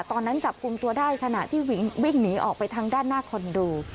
ตอนนั้นจับกลุ่มตัวได้ขณะที่วิ่งหนีออกไปทางด้านหน้าคอนโด